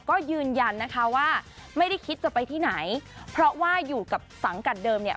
ก็ยืนยันนะคะว่าไม่ได้คิดจะไปที่ไหนเพราะว่าอยู่กับสังกัดเดิมเนี่ย